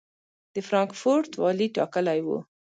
د فرانکفورټ والي ټاکلی و.